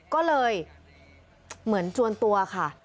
ก็เลยเหมือนจวนตัวค่ะ